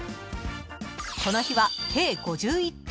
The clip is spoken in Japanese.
［この日は計５１点］